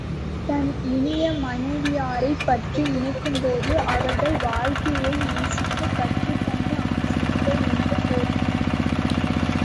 தன் இனிய மனைவியரைப் பற்றி நினைக்கும்போது அவர்கள் வாழ்க்கையை நேசிக்கக் கற்றுத்தந்த ஆசான்கள் என்று போற்றினான்.